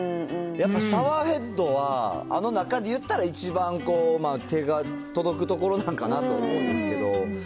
やっぱシャワーヘッドはあの中でいったら、一番、手が届くところなんかなと思うんですけど。